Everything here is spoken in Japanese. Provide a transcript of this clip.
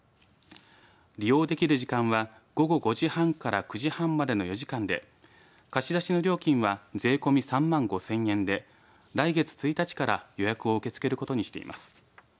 利用できる時間は午後５時半から９時半までの４時間で貸し出しの料金は税込み３万５０００円で来月１日から予約を受け付けることにしています。